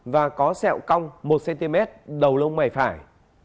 và có sẹo cong một cm đầu lông mày phải